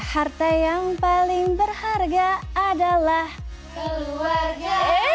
harta yang paling berharga adalah keluarga